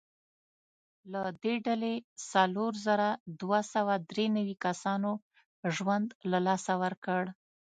له دې ډلې څلور زره دوه سوه درې نوي کسانو ژوند له لاسه ورکړ.